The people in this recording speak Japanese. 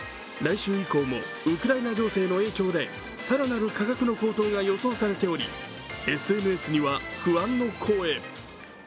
来週以降もウクライナ情勢の影響で更なる価格の高騰が予想されており、ＳＮＳには不安の声。